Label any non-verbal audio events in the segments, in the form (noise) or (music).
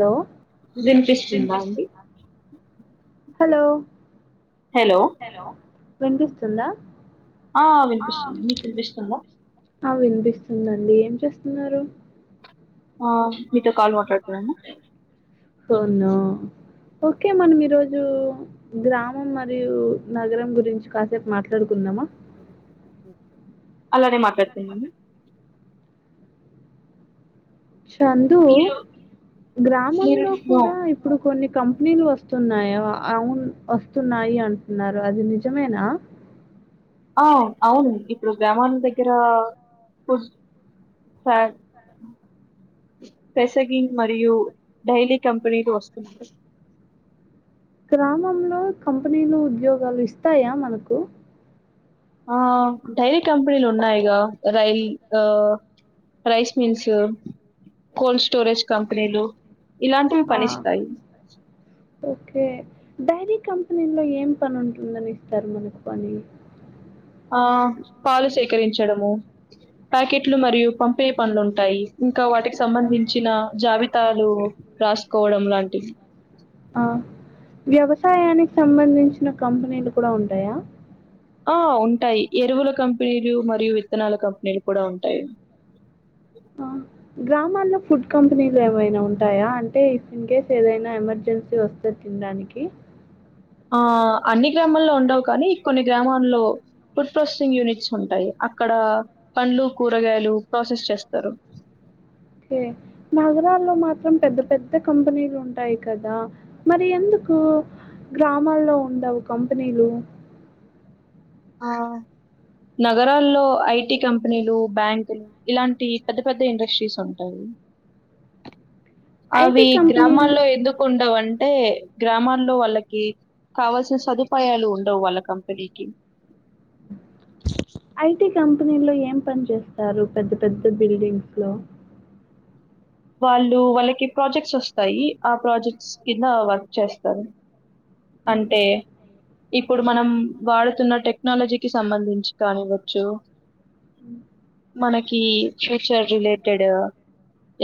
Hello వినిపిస్తుందా అండి hello hello వినిపిస్తుందా ఆ వినిపిస్తుంది మీకు వినిపిస్తుందా ఆ వినిపిస్తుందండి ఏం చేస్తున్నారు ఆ మీతో కాల్ మాట్లాడుతున్నాను ఓ నో ఓకే మనం ఈరోజు గ్రామం మరియు నగరం గురించి కాసేపు మాట్లాడుకుందాం. అలానే మాట్లాడుకుందాం. చందు మీరు మీరు గ్రామంలో నో కూడా ఇప్పుడు కొన్ని కంపెనీలు వస్తు వస్తున్నాయా అవును వస్తున్నాయి అంటున్నారు. అది నిజమేనా. ఆ అవును ఇప్పుడు గ్రామం దగ్గర ఫుడ్ ఫ్యార్ రెసెగింగ్ మరియు డైలీ కంపెనీలు వస్తున్నాయి. గ్రామంలో కంపెనీలు ఉద్యోగాలు ఇస్తాయ మనకు ఆ డైరీ కంపెనీలు ఉన్నాయిగా రైల్ ఆ రైస్ మిల్స్ కోల్స్ స్టోరేజ్ కంపెనీలు ఇలాంటివి ఆ పనిస్తాయి. ఓకే డైరీ కంపెనీలో ఏం పని ఉంటుందని ఇస్తారు మనకు పని. ఆ పాలు సేకరించడము ప్యాకెట్లు మరియు పంపే పనులు ఉంటాయి. ఇంకా వాటికి సంబంధించిన జావిద్ తాలు రాసుకోవడం లాంటివి. ఆ వ్యవసాయానికి సంబంధించిన కంపెనీలు కూడా ఉంటాయా. ఆ ఉంటాయి ఎరువుల కంపెనీలు మరియు విత్తనాల కంపెనీలు కూడా ఉంటాయి. ఆ గ్రామాల్లో ఫుడ్ కంపెనీలు ఏమైనా ఉంటాయా అంటే ఇన్ కేస్ ఏదైన ఎమర్జెన్సీ వస్తే తిండానికి. ఆ అన్ని గ్రామాల్లో ఉండవు కానీ కొన్ని గ్రామంలో ఫుడ్ టెస్టింగ్ యూనిట్స్ ఉంటాయి. అక్కడ పండ్లు కూరగాయలు ప్రాసెస్ చేస్తారు. కే నగరలో మాత్రం పెద్ద పెద్ద కంపెనీలు ఉంటాయి కదా. మరి ఎందుకు గ్రామలో ఉండవు కంపెనీలు. ఆ నగరాల్లో ఐటీ కంపెనీలు బ్యాంకులు ఇలాంటి పెద్ద పెద్ద ఇండస్ట్రీస్ ఉంటాయి. ఐటీ అవి కంపెనీల్ గ్రామాల్లో ఎందుకు ఉండవు అంట్ టే గ్రామాల్లో వాళ్లకి కావాల్సిన సదుపాయాలు ఉండవు వాళ్ళ కంపెనీకి. ఐటి కంపెనీలో ఏం పని చేస్తారు పెద్ద పెద్ద బిల్డింగ్స్ లో. వాళ్లు వాళ్లకి ప్రాజెక్ట్స్ వస్తాయి ఆ ప్రాజెక్ట్స్ కింద వర్క్ చేస్తారు. అంటే. ఇప్పుడు మనం వాడుతున్న టెక్నాలజీకి సంబంధించి గాని వచ్చు. (inaudible) మనకి ఫ్యూచర్ రిలేటెడ్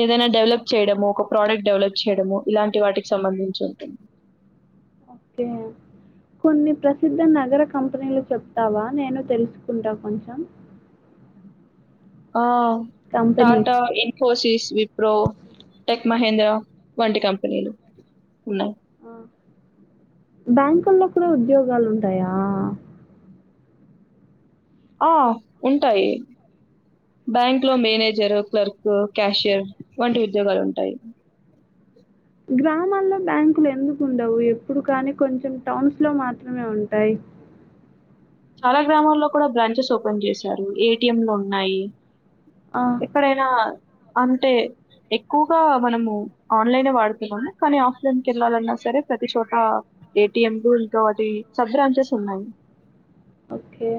ఏదైనా డెవలప్ చేయడమో ఒక ప్రోడక్ట్ డెవలప్ చేయడమో ఇలాంటి వాటికి సంబంధించి ఉంటుంది ఓకే కొన్ని ప్రసిద్ధ నగర కంపెనీలు చెప్తావా నేను తెలుసుకుంటా కొంచెం ఆ కంపెనీస్ టాటా ఇన్ఫోసిస్ విప్ ప్రో టెక్ మహేంద్ర వంటి కంపెనీలు ఉన్నాయి బ్యాంకుల్లో కూడా ఉద్యోగాలు ఉంటాయా ఆ ఉంటాయి బ్యాంక్ లో మేనేజర్ క్లర్క్ క్యాషియర్ వంటి ఉద్యోగాలు ఉంటాయి గ్రామాల్లో బ్యాంకులు ఎందుకు ఉండవు ఎప్పుడు కానీ కొంచెం టౌన్స్ లో మాత్రమే ఉంటాయి చాలా గ్రామాల్లో కూడా బ్రాంచెస్ ఓపెన్ చేశారు ఏటిఎంలు ఉన్నాయి ఆ, ఎక్కడైనా అంటే ఎక్కువగా మనము ఆన్లైనే వాడుతన్నాం కానీ ఆఫ్లైన్కి వెళ్లాలన్నా సరే ప్రతి చోట ఏటిఎంలు ఇంకా అది సబ్ బ్రాంచెస్ ఉన్నాయి ఓకే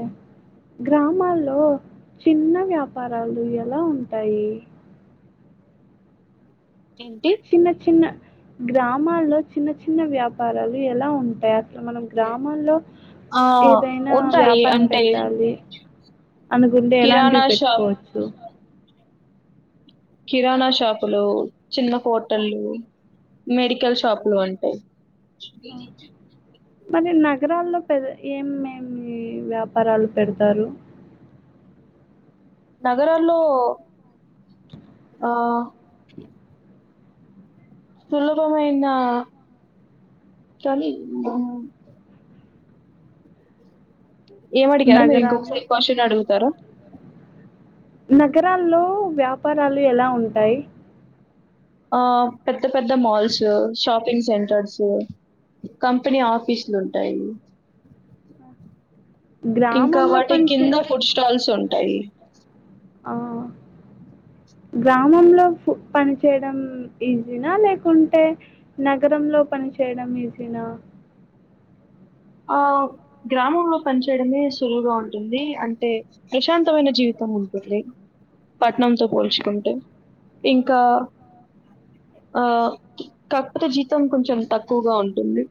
గ్రామాల్లో చిన్న వ్యాపారాలు ఎలా ఉంటాయి ఏంటి? చిన్న చిన్న గ్రామ మాల్లో చిన్న చిన్న వ్యాపారాలు ఎలా ఉంటాయి మనం గ్రామాల్లో ఆ! ఏదైనా ఉంటాయి. వ్యాపారం అంటే పెట్టాలి అనుకుంటే కిరాణా ఎలాంటివి షాప్ పెట్టుకోవచ్చు కిరాణా షాపులు చిన్న హోటల్లు మెడికల్ షాపులు ఉంటాయి. మరి నగరాల్లో పెద్ద ఏమేమి వ్యాపారాలు పెడతారు. నగరాల్లో ఆ సులభమైన (unintelligible) ఏమడిగారు మీరు ఇంకొ (inaudible) నగరాల్లో క్వశ్చన్ అడుగుతారు నగరాల్లో వ్యాపారాలు ఎలా ఉంటాయి. ఆ పెద్ద పెద్ద మాల్స్ షాపింగ్ సెంటర్స్ కంపెనీ ఆఫీసులు ఉంటాయి. ఇంకా గ్రామంలో వాటి పనిచే కింద ఫుడ్ స్టాల్స్ ఉం అయి ఆ గ్రామంలో పని చేయడం. ఈజీనా లేకుంటే నగరంలో పనిచేయడం ఈజీనా ఆ గ్రామంలో పనిచేయడమే సులువుగా ఉంటుంది. అంటే ప్రశాంతమైన జీవితం ఉంటుంది. పట్నంతో పోల్చుకుంటే ఇంకా ఆ కాకపోతే జీతం కొంచెం తక్కువగా ఉంటుంది.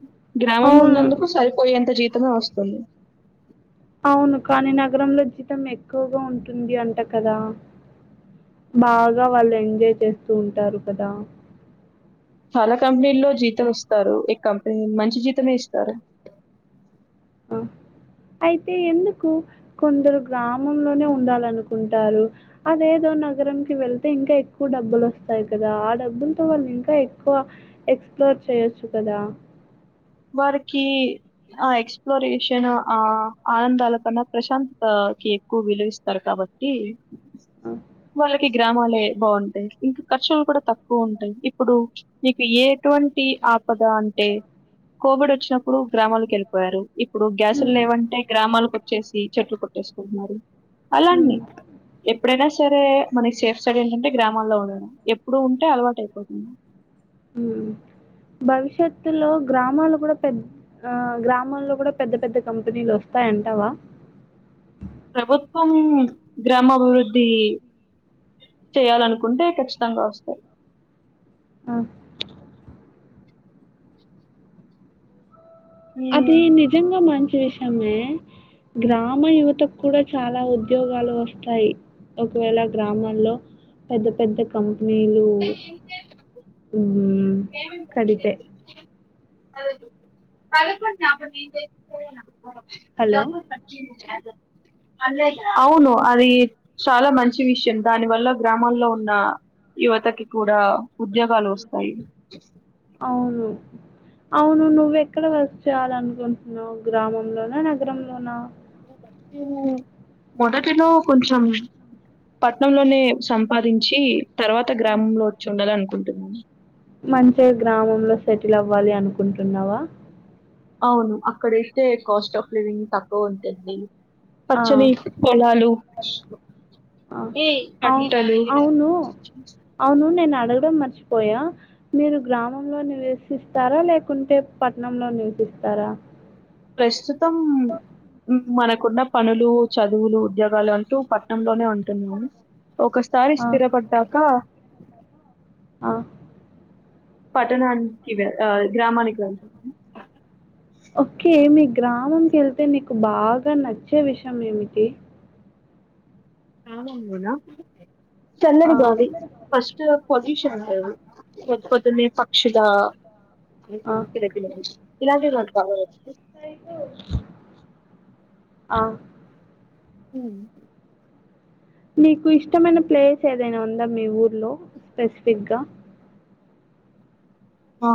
గ్రామం అవును ఉన్నందుకు సరి పోయే ఎంత జీతము వస్తుంది. అవును కానీ నగరంలో జీతం ఎక్కువగా ఉంటుంది. అంట కదా బాగా వాళ్ళు ఎంజాయ్ చేస్తూ ఉంటారు. కదా చాలా కంపెనీల్లో జీతం ఇస్తారు. ఈ కంపెనీ మంచి జీతమే ఇస్తారు. అయితే ఎందుకు కొందరు గ్రామంలోనే ఉండాలనుకుంటారు. అదేదో నగరంకి వెళ్తే ఇంకా ఎక్కువ డబ్బులు వస్తాయి కదా. ఆ డబ్బులతో వాళ్ళు ఇంకా ఎక్కువ ఎక్స్ప్లోర్ చేయొచ్చు కదా. వారికి ఆ ఎక్స్ప్లోరేషన్ ఆ ఆనందాల కన్నా ప్రశాంతతకి ఎక్కువ విలువిస్తారు. కాబట్టి ఆ! వాళ్ళకి ఈ గ్రామాలే బాగుంటాయి ఇంకా ఖర్చులు కూడా తక్కువ ఉంటాయి. ఇప్పుడు మీకు ఎటువంటి ఆపద అంటే కోవిడ్ వచ్చినప్పుడు గ్రామాలకు వెళ్ళిపోయారు. ఇప్పుడు గ్యాసులు హ్మ్. లేవంటే గ్రామాలకు చేసి చెట్లు కొట్టేసుకుంటున్నారు. అలా అన్ని హ్మ్. ఎప్పుడయినా నా సరే మనకి సేఫ్ సైడ్ ఏంటంటే గ్రామాల్లో ఉండడం. ఎప్పుడు ఉంటే అలవాటు అయిపోతుంది. హ్ భవిష్యత్తులో గ్రామాలు కూడా పెద్ద గ్రామాల్లో కూడా పెద్ద పెద్ద కంపెనీలు వస్తాయంటావా ప్రభుత్వం గ్రామాభివృద్ధి చేయాలనుకుంటే ఖచ్చితంగా వస్తాయి. ఆ అది నిజంగా మంచి విషయమే గ్రామ యువతకు కూడా చాలా ఉద్యోగాలు వస్తాయి. ఒకవేళ గ్రామాల్లో పెద్ద పెద్ద కం పెనీలు హ్ కడితే (inaudible) (inaudible) హలో! అవును అది చాలా మంచి విషయం దాని వల్ల గ్రామాల్లో ఉన్న యువతకి కూడా ఉద్యోగాలు వస్తాయి. అవును అవును నువ్వ ఎక్కడ వర్క్ చేయాల అనుకుంటున్నావు గ్రామంలోనా నగరంలోనా మొదటిలో కొంచం పట్నంలోనే సంపాదించి తర్వాత గ్రామంలో వచ్చి ఉండాలి అనుకుం ఉంట (unintelligible) మంచిగా గ్రామంలో సెటిల్ అవ్వాలి అనుకుంటున్నావా అవును అక్కడయితే కాస్ట్ ఆఫ్ లివింగ్ తక్కువ ఉంటుంది పచ్చని ఆ! పొలాలు ఆ! ఏ అవు అవును (unintelligible) అవును నేను అడగడం మర్చిపోయా మీరు గ్రామంలో నివసిస్తారా లేకుంటే పట్టణంలో నివసిస్తారా ప్రస్తుతం మనకున్న పనులు చదువులు ఉద్యోగాలు అంటూ పట్టణంలోనే ఉంటున్నా ఒకసారి ఆ! స్థిరపడ్డాక ఆ పట్టణానికి గ్రామానికి వెళ్తాము ఓకే మీ గ్రామం కి వెళ్తే నీకు బాగా నచ్చే విషయం ఏమిటి చాలా ఉన్నాయ్ రా చల్లని ఆ! గాలి ఫస్ట్ పొల్యూషన్ ఉంటది పొద్దుపొద్దున్నే పక్షిగా ఆ! (unintelligible) ఇలాంటివి మన కావరోజ్ ఆ ఉం మీకు ఇష్టమైన ప్లేస్ ఏదైనా ఉందా మీ ఊర్లో స్పెసిఫిక్గా ఆ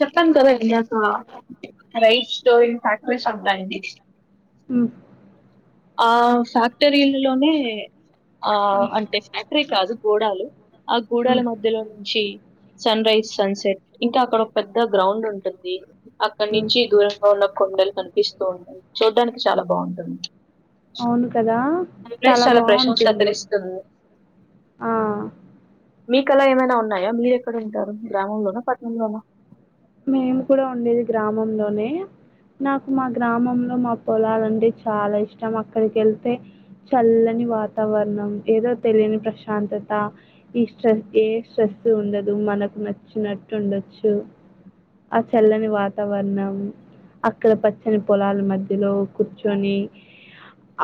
చెప్పాను కదా ఇందాక రైస్టో ఫ్యాక్టరీస్ ఉంటాయి అండి ఉం ఆ ఫ్యాక్టరీలలోనే ఆ అంటే ఫ్యాక్టరీ కాదు గోడాలు ఆ గూడాల మధ్యలో నుంచి సన్ రైజ్ సన్ సెట్ ఇంకా అక్కడ ఒక పెద్ద గ్రౌండ్ ఉంటుంది అక్కడ నుంచి దూరంలో ఉన్న కొండలు కని ఇస్తూ ఉంటుంది చూడ్డానికి చాలా బాగుంటుంది అవును కదా ప్లస్ చాలా ప్రశంతతరనిస్తుంది మీ కలా ఏమైనా ఉన్నాయా మీరు ఎక్కడ ఉంటారు గ్రామంలోన పట్టనంలోన మేము కూడా ఉండేది గ్రామంలోనే నాకు మా గ్రామంలో మా పొలాలంటే చాలా ఇష్టం అక్కడికి వెళ్తే చల్లని వాతావరణం ఏదో తెలియని ప్రశాంతత ఈ స్ట్రెస్ ఏ స్ట్రెస్ ఉండదు మనకు నచ్చినట్టు ఉండొచ్చు ఆ చల్లని వాతావరణం అక్కడ పచ్చని పొలాల మధ్యలో కూర్చొని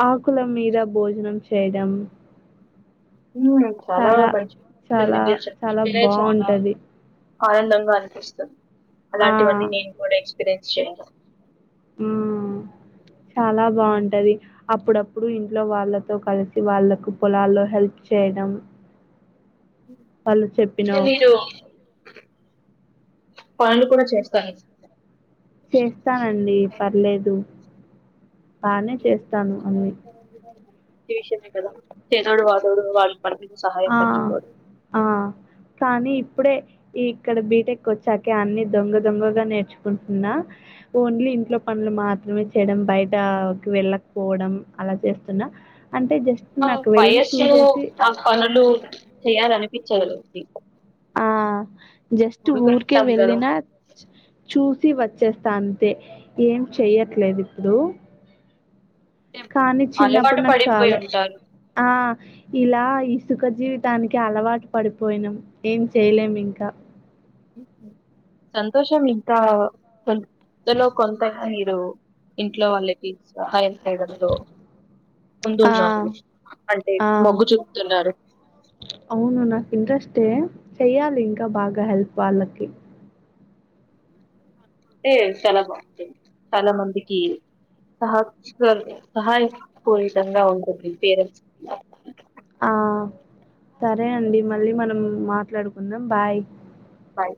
ఆకుల మీద భోజనం చేయడం ఉం చాలా మంచిగుంటుంది చాలా మీరు చాలా చెప్తుంటేనే చాలా బాగుంటది ఆనందంగా అనిపిస్తుంది. ఆ అలాంటివన్నీ నేను కూడా ఇక్కడ ఏమ్ చెయ్యను హ్మ్ చాలా బాగుంటది. అప్పుడప్పుడు ఇంట్లో వాళ్ళతో కలిసి వాళ్ళకు పొలాల్లో హెల్ప్ చేయడం. వాళ్ళు అయితే చెప్పినావ్ మీరు పనులు కూడా చేస్తాయి. చేస్తానండి పర్లేదు బానే చేస్తాను అండి. మంచి విషయమే కదా చదోడు వాదోడు వాడు ఆ ఆ కానీ ఇప్పుడే ఈ ఇక్కడ బీటెక్ వచ్చాకే అన్ని దొంగ దొంగగా నేర్చుకుంటున్నా, ఓన్లీ ఇంట్లో పనులు మాత్రమే చేయడం బయటకి వెళ్ళకపోవడం అలా చేస్తున్నా. అంటే జస్ట్ ఆ నాకు వెళ్ళి వయస్సు చూసేసి ఆ పనులు చేయాలని పిచ్చాదు. ఆ జస్ట్ ఊరికే ఉంటాం కదా వెళ్ళిన చూసి వ వచ్చేస్తా అంతే ఏం చెయ్యట్లేదు ఇప్పుడు అంటే కానీ చిన్నప్పుడు అలవాటు నాకు పడిపోయి చాలా ఉంటారు ఆ ఇలా సుఖ జీవితానికి అలవాటు పడిపోయినాం. ఏం చేయలేం ఇంకా సంతోషం ఇంకా కొంతలో కొంత మీరు ఇంట్లో వాళ్ళకి సహయం చేయడంలో ఆ ముందున్నారు. అంటే ఆ మొగ్గు చూపుతున్నారు. ఏ చెయ్యాలి ఇంకా బాగా హెల్ప్ వాళ్ళకి అంటే చాలా బాగుంటుంది. చాలా మందికి సహ సహాయపూరితంగా ఉంటుంది. పేరెంట్స్ ఆ సరే అండి. మళ్ళీ మనం మాట్లాడుకుందాం. Bye bye